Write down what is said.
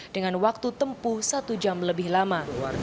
dengan waktu terlalu lama